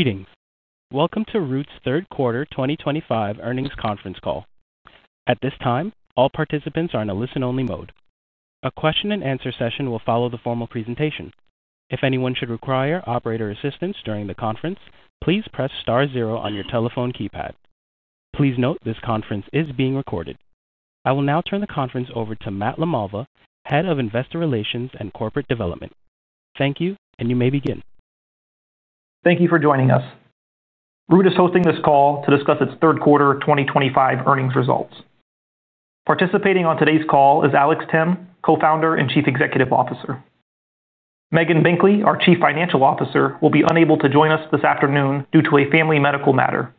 Greetings. Welcome to Root's third quarter 2025 earnings conference call. At this time, all participants are in a listen-only mode. A question-and-answer session will follow the formal presentation. If anyone should require operator assistance during the conference, please press star zero on your telephone keypad. Please note this conference is being recorded. I will now turn the conference over to Matt LaMalva, Head of Investor Relations and Corporate Development. Thank you, and you may begin. Thank you for joining us. Root is hosting this call to discuss its third quarter 2025 earnings results. Participating on today's call is Alex Timm, Co-founder and Chief Executive Officer. Megan Binkley, our Chief Financial Officer, will be unable to join us this afternoon due to a family medical matter.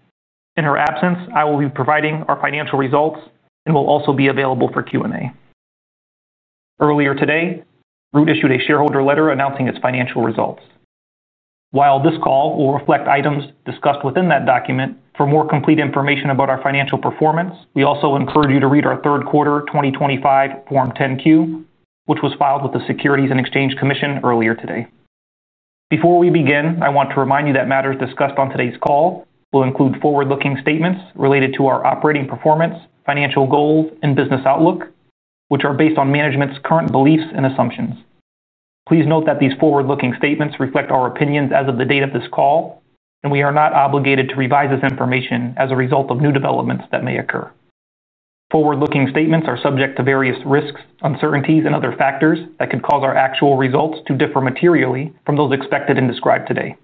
In her absence, I will be providing our financial results and will also be available for Q&A. Earlier today, Root issued a shareholder letter announcing its financial results. While this call will reflect items discussed within that document, for more complete information about our financial performance, we also encourage you to read our third quarter 2025 Form 10-Q, which was filed with the Securities and Exchange Commission earlier today. Before we begin, I want to remind you that matters discussed on today's call will include forward-looking statements related to our operating performance, financial goals, and business outlook, which are based on management's current beliefs and assumptions. Please note that these forward-looking statements reflect our opinions as of the date of this call, and we are not obligated to revise this information as a result of new developments that may occur. Forward-looking statements are subject to various risks, uncertainties, and other factors that could cause our actual results to differ materially from those expected and described today.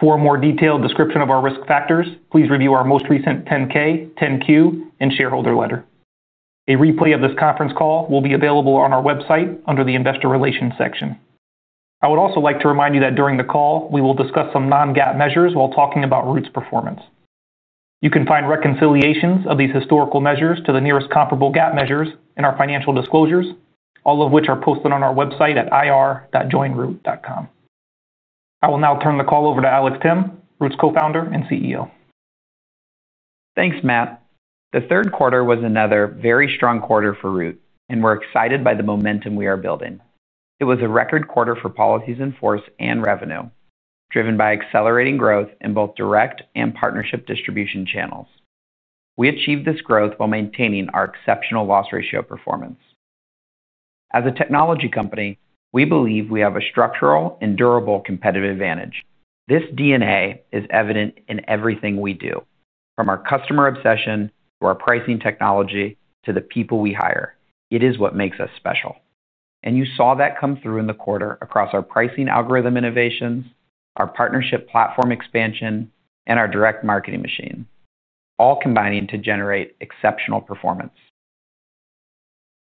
For a more detailed description of our risk factors, please review our most recent 10-K, 10-Q, and shareholder letter. A replay of this conference call will be available on our website under the investor relations section. I would also like to remind you that during the call, we will discuss some non-GAAP measures while talking about Root's performance. You can find reconciliations of these historical measures to the nearest comparable GAAP measures in our financial disclosures, all of which are posted on our website at irr.joinroot.com. I will now turn the call over to Alex Timm, Root's Co-founder and CEO. Thanks, Matt. The third quarter was another very strong quarter for Root, and we're excited by the momentum we are building. It was a record quarter for policies in force and revenue, driven by accelerating growth in both direct and partnership distribution channels. We achieved this growth while maintaining our exceptional loss ratio performance. As a technology company, we believe we have a structural and durable competitive advantage. This DNA is evident in everything we do, from our customer obsession to our pricing technology to the people we hire. It is what makes us special. You saw that come through in the quarter across our pricing algorithm innovations, our partnership platform expansion, and our direct marketing machine, all combining to generate exceptional performance.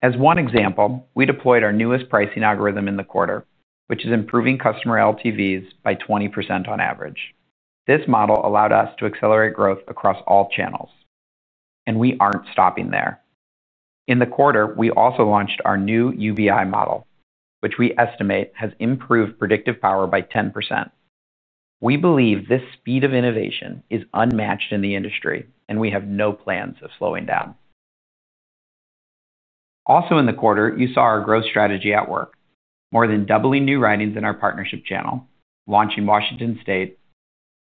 As one example, we deployed our newest pricing algorithm in the quarter, which is improving customer LTVs by 20% on average. This model allowed us to accelerate growth across all channels. We aren't stopping there. In the quarter, we also launched our new UBI model, which we estimate has improved predictive power by 10%. We believe this speed of innovation is unmatched in the industry, and we have no plans of slowing down. Also, in the quarter, you saw our growth strategy at work, more than doubling new writings in our partnership channel, launching Washington state,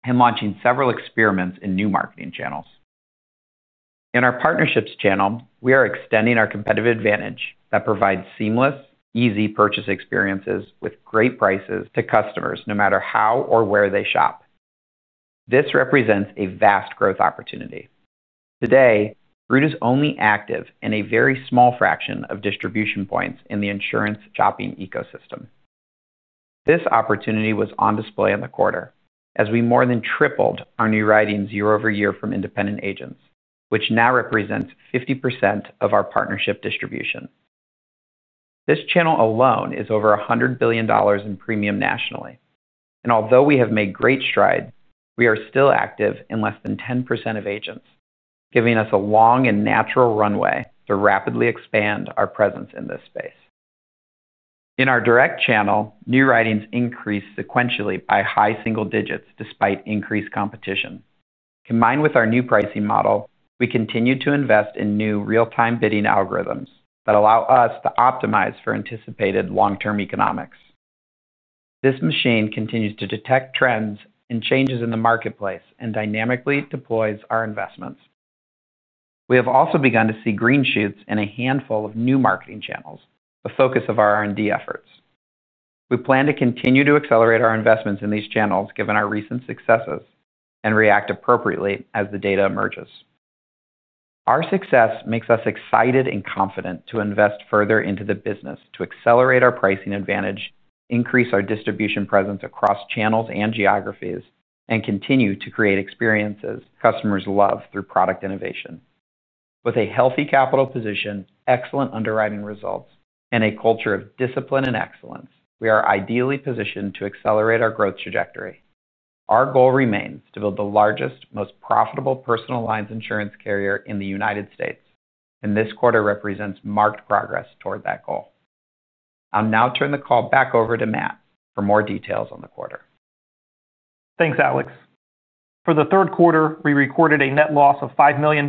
and launching several experiments in new marketing channels. In our partnerships channel, we are extending our competitive advantage that provides seamless, easy purchase experiences with great prices to customers no matter how or where they shop. This represents a vast growth opportunity. Today, Root is only active in a very small fraction of distribution points in the insurance shopping ecosystem. This opportunity was on display in the quarter as we more than tripled our new writings year-over-year from independent agents, which now represents 50% of our partnership distribution. This channel alone is over $100 billion in premium nationally. Although we have made great strides, we are still active in less than 10% of agents, giving us a long and natural runway to rapidly expand our presence in this space. In our direct channel, new writings increased sequentially by high single digits despite increased competition. Combined with our new pricing model, we continue to invest in new real-time bidding algorithms that allow us to optimize for anticipated long-term economics. This machine continues to detect trends and changes in the marketplace and dynamically deploys our investments. We have also begun to see green shoots in a handful of new marketing channels, the focus of our R&D efforts. We plan to continue to accelerate our investments in these channels given our recent successes and react appropriately as the data emerges. Our success makes us excited and confident to invest further into the business to accelerate our pricing advantage, increase our distribution presence across channels and geographies, and continue to create experiences customers love through product innovation. With a healthy capital position, excellent underwriting results, and a culture of discipline and excellence, we are ideally positioned to accelerate our growth trajectory. Our goal remains to build the largest, most profitable personal lines insurance carrier in the United States, and this quarter represents marked progress toward that goal. I'll now turn the call back over to Matt for more details on the quarter. Thanks, Alex. For the third quarter, we recorded a net loss of $5 million,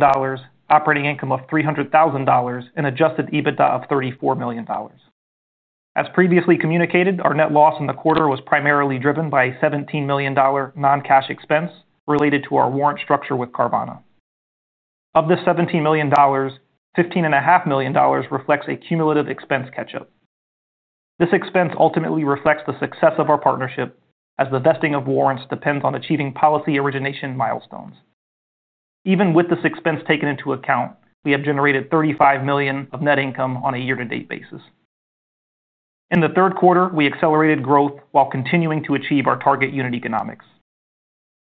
operating income of $300,000, and adjusted EBITDA of $34 million. As previously communicated, our net loss in the quarter was primarily driven by a $17 million non-cash expense related to our warrant structure with Carvana. Of this $17 million, $15.5 million reflects a cumulative expense catch-up. This expense ultimately reflects the success of our partnership as the vesting of warrants depends on achieving policy origination milestones. Even with this expense taken into account, we have generated $35 million of net income on a year-to-date basis. In the third quarter, we accelerated growth while continuing to achieve our target unit economics.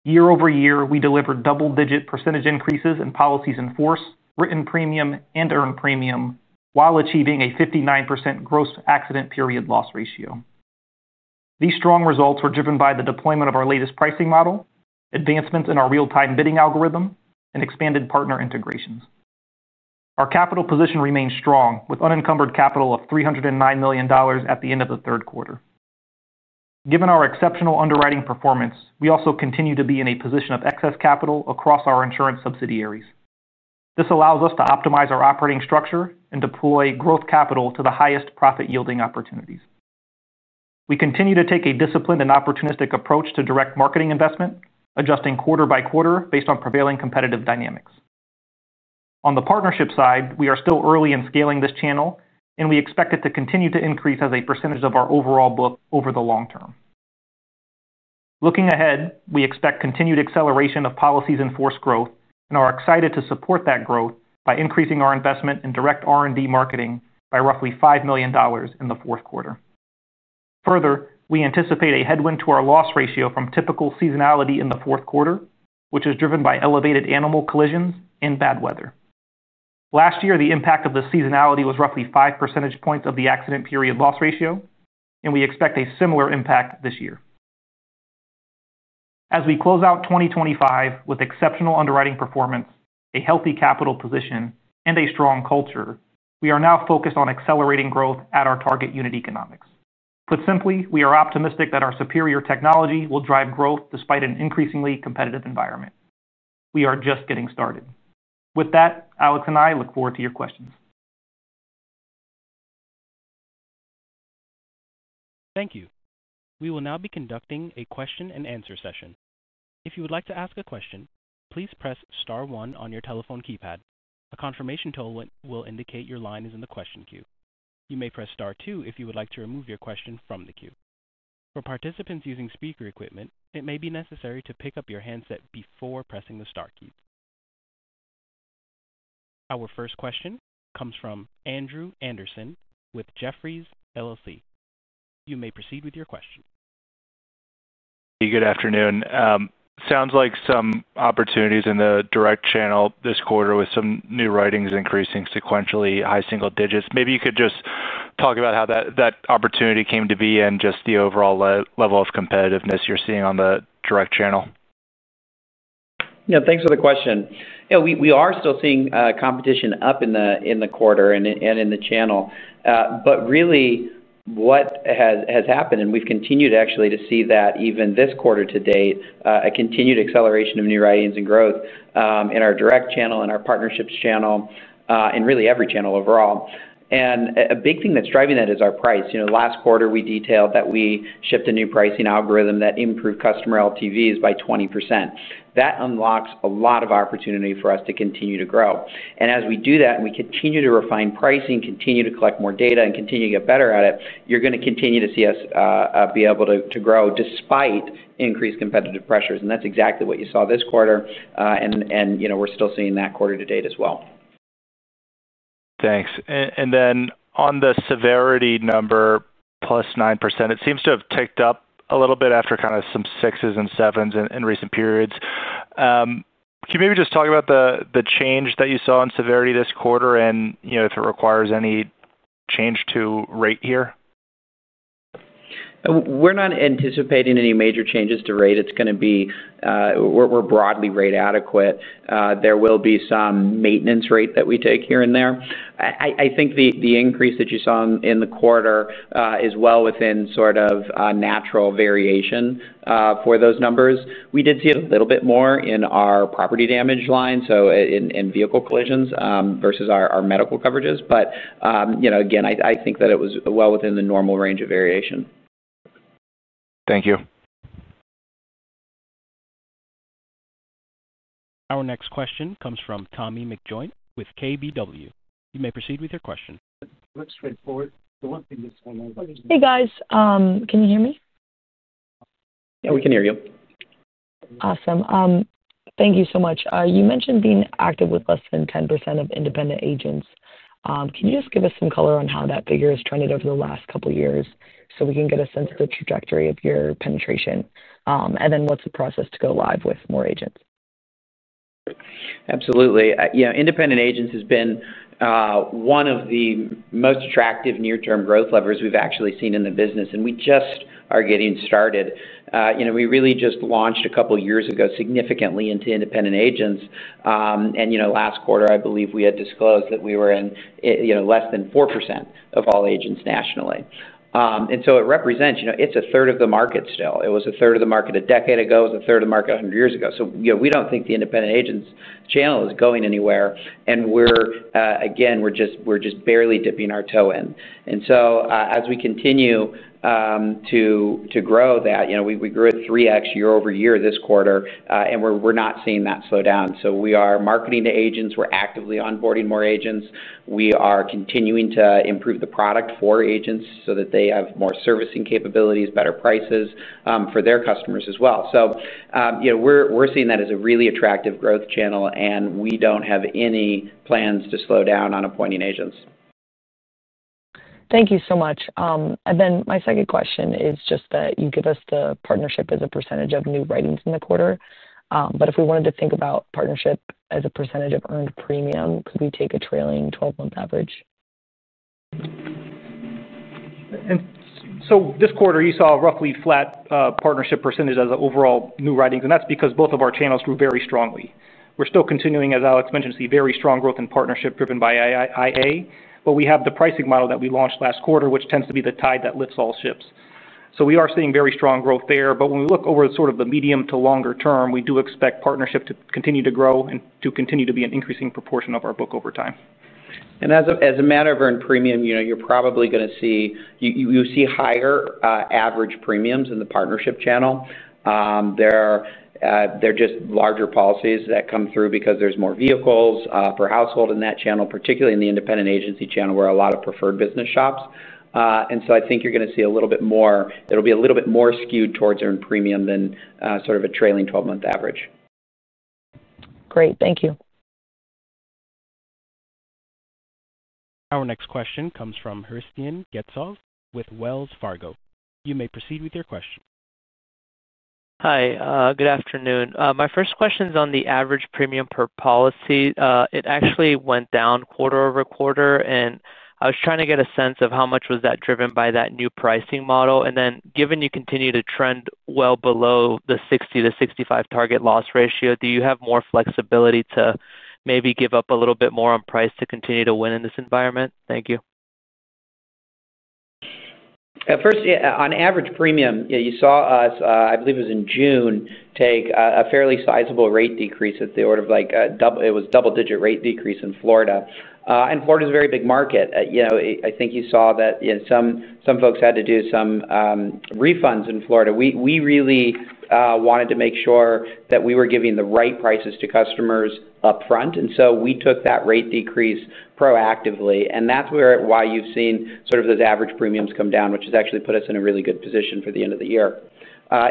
Year over year, we delivered double-digit percentage increases in policies in force, written premium, and earned premium while achieving a 59% gross accident period loss ratio. These strong results were driven by the deployment of our latest pricing model, advancements in our real-time bidding algorithm, and expanded partner integrations. Our capital position remained strong with unencumbered capital of $309 million at the end of the third quarter. Given our exceptional underwriting performance, we also continue to be in a position of excess capital across our insurance subsidiaries. This allows us to optimize our operating structure and deploy growth capital to the highest profit-yielding opportunities. We continue to take a disciplined and opportunistic approach to direct marketing investment, adjusting quarter by quarter based on prevailing competitive dynamics. On the partnership side, we are still early in scaling this channel, and we expect it to continue to increase as a percentage of our overall book over the long term. Looking ahead, we expect continued acceleration of policies in force growth and are excited to support that growth by increasing our investment in direct R&D marketing by roughly $5 million in the fourth quarter. Further, we anticipate a headwind to our loss ratio from typical seasonality in the fourth quarter, which is driven by elevated animal collisions and bad weather. Last year, the impact of the seasonality was roughly 5 percentage points of the accident period loss ratio, and we expect a similar impact this year. As we close out 2025 with exceptional underwriting performance, a healthy capital position, and a strong culture, we are now focused on accelerating growth at our target unit economics. Put simply, we are optimistic that our superior technology will drive growth despite an increasingly competitive environment. We are just getting started. With that, Alex and I look forward to your questions. Thank you. We will now be conducting a question-and-answer session. If you would like to ask a question, please press star one on your telephone keypad. A confirmation tone will indicate your line is in the question queue. You may press star two if you would like to remove your question from the queue. For participants using speaker equipment, it may be necessary to pick up your handset before pressing the star key. Our first question comes from Andrew Anderson with Jefferies. You may proceed with your question. Good afternoon. Sounds like some opportunities in the direct channel this quarter with some new writings increasing sequentially, high single digits. Maybe you could just talk about how that opportunity came to be and just the overall level of competitiveness you're seeing on the direct channel. Yeah, thanks for the question. Yeah, we are still seeing competition up in the quarter and in the channel. What has happened, and we've continued actually to see that even this quarter to date, is a continued acceleration of new writings and growth in our direct channel, in our partnerships channel, in really every channel overall. A big thing that's driving that is our price. Last quarter, we detailed that we shipped a new pricing algorithm that improved customer LTVs by 20%. That unlocks a lot of opportunity for us to continue to grow. As we do that and we continue to refine pricing, continue to collect more data, and continue to get better at it, you're going to continue to see us be able to grow despite increased competitive pressures. That is exactly what you saw this quarter, and we are still seeing that quarter to date as well. Thanks. On the severity number, plus 9%, it seems to have ticked up a little bit after kind of some sixes and sevens in recent periods. Can you maybe just talk about the change that you saw in severity this quarter and if it requires any change to rate here? We're not anticipating any major changes to rate. It's going to be we're broadly rate adequate. There will be some maintenance rate that we take here and there. I think the increase that you saw in the quarter is well within sort of natural variation for those numbers. We did see a little bit more in our property damage line, so in vehicle collisions versus our medical coverages. Again, I think that it was well within the normal range of variation. Thank you. Our next question comes from Tommy McJoynt with KBW. You may proceed with your question. Hey, guys. Can you hear me? Yeah, we can hear you. Awesome. Thank you so much. You mentioned being active with less than 10% of independent agents. Can you just give us some color on how that figure has trended over the last couple of years so we can get a sense of the trajectory of your penetration? What is the process to go live with more agents? Absolutely. Independent agents has been one of the most attractive near-term growth levers we've actually seen in the business, and we just are getting started. We really just launched a couple of years ago significantly into independent agents. Last quarter, I believe we had disclosed that we were in less than 4% of all agents nationally. It represents a third of the market still. It was a third of the market a decade ago. It was a third of the market 100 years ago. We do not think the independent agents channel is going anywhere. We are just barely dipping our toe in. As we continue to grow that, we grew at 3X year-over-year this quarter, and we are not seeing that slow down. We are marketing to agents. We are actively onboarding more agents. We are continuing to improve the product for agents so that they have more servicing capabilities, better prices for their customers as well. We are seeing that as a really attractive growth channel, and we do not have any plans to slow down on appointing agents. Thank you so much. Then my second question is just that you give us the partnership as a percentage of new writings in the quarter. If we wanted to think about partnership as a percentage of earned premium, could we take a trailing 12-month average? This quarter, you saw a roughly flat partnership percentage as an overall new writings, and that's because both of our channels grew very strongly. We're still continuing, as Alex mentioned, to see very strong growth in partnership driven by IA, but we have the pricing model that we launched last quarter, which tends to be the tide that lifts all ships. We are seeing very strong growth there. When we look over sort of the medium to longer term, we do expect partnership to continue to grow and to continue to be an increasing proportion of our book over time. As a matter of earned premium, you're probably going to see higher average premiums in the partnership channel. They're just larger policies that come through because there's more vehicles per household in that channel, particularly in the independent agency channel where a lot of preferred business shops. I think you're going to see a little bit more, it'll be a little bit more skewed towards earned premium than sort of a trailing 12-month average. Great. Thank you. Our next question comes from Hristiyan Getsov with Wells Fargo. You may proceed with your question. Hi. Good afternoon. My first question is on the average premium per policy. It actually went down quarter over quarter, and I was trying to get a sense of how much was that driven by that new pricing model. Then given you continue to trend well below the 60-65% target loss ratio, do you have more flexibility to maybe give up a little bit more on price to continue to win in this environment? Thank you. First, on average premium, you saw us, I believe it was in June, take a fairly sizable rate decrease at the order of, it was a double-digit rate decrease in Florida. Florida is a very big market. I think you saw that some folks had to do some refunds in Florida. We really wanted to make sure that we were giving the right prices to customers upfront. We took that rate decrease proactively. That is why you have seen sort of those average premiums come down, which has actually put us in a really good position for the end of the year.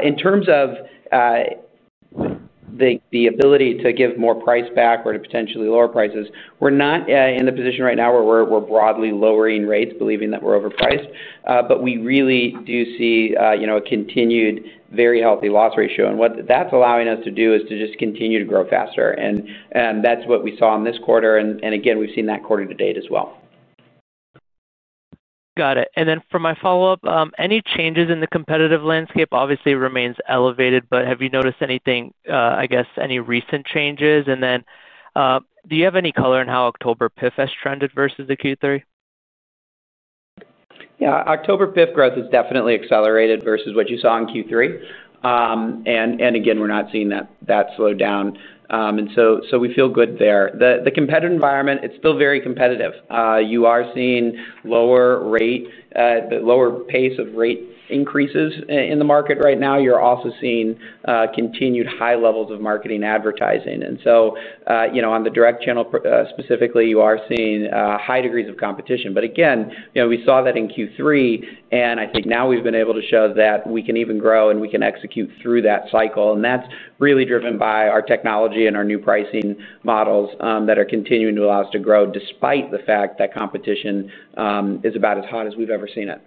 In terms of the ability to give more price back or to potentially lower prices, we are not in the position right now where we are broadly lowering rates, believing that we are overpriced. We really do see a continued very healthy loss ratio. What that's allowing us to do is to just continue to grow faster. That's what we saw in this quarter. Again, we've seen that quarter to date as well. Got it. For my follow-up, any changes in the competitive landscape? Obviously, it remains elevated, but have you noticed anything, I guess, any recent changes? Do you have any color on how October PIF has trended versus the Q3? Yeah. October PIF growth has definitely accelerated versus what you saw in Q3. Again, we're not seeing that slow down. We feel good there. The competitive environment, it's still very competitive. You are seeing lower rate, lower pace of rate increases in the market right now. You're also seeing continued high levels of marketing advertising. On the direct channel specifically, you are seeing high degrees of competition. Again, we saw that in Q3, and I think now we've been able to show that we can even grow and we can execute through that cycle. That's really driven by our technology and our new pricing models that are continuing to allow us to grow despite the fact that competition is about as hot as we've ever seen it.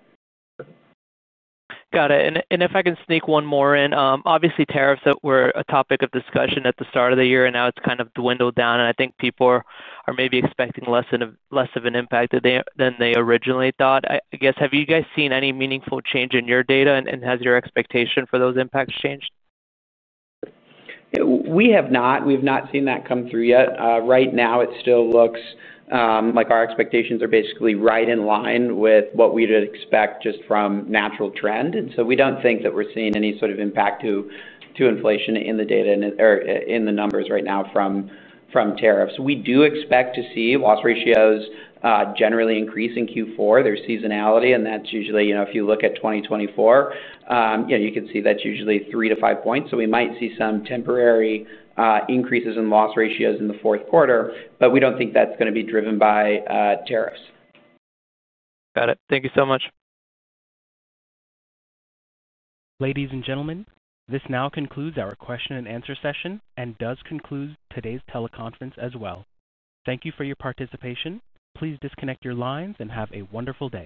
Got it. If I can sneak one more in, obviously, tariffs were a topic of discussion at the start of the year, and now it's kind of dwindled down. I think people are maybe expecting less of an impact than they originally thought. I guess, have you guys seen any meaningful change in your data, and has your expectation for those impacts changed? We have not. We have not seen that come through yet. Right now, it still looks like our expectations are basically right in line with what we'd expect just from natural trend. We don't think that we're seeing any sort of impact to inflation in the data or in the numbers right now from tariffs. We do expect to see loss ratios generally increase in Q4. There's seasonality, and that's usually if you look at 2024, you can see that's usually three to five points. We might see some temporary increases in loss ratios in the fourth quarter, but we don't think that's going to be driven by tariffs. Got it. Thank you so much. Ladies and gentlemen, this now concludes our question-and-answer session and does conclude today's teleconference as well. Thank you for your participation. Please disconnect your lines and have a wonderful day.